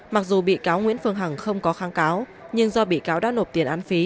mặc dù bị cáo nguyễn phương hằng không có kháng cáo nhưng do bị cáo đã nộp tiền án phí